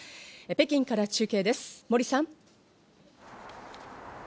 北京から中継です、森さん。